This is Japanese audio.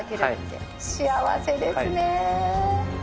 幸せですね。